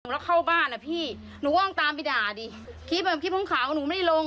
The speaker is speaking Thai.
แล้วเข้าบ้านอ่ะพี่หนูก็ต้องตามไปด่าดิคลิปอ่ะคลิปของขาวหนูไม่ได้ลง